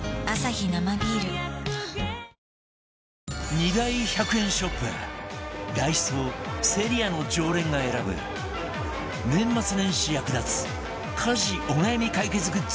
２大１００円ショップダイソーセリアの常連が選ぶ年末年始役立つ家事お悩み解決グッズ